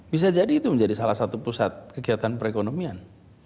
bisa jadi itu menjadi salah satu pusat kegiatan perekonomian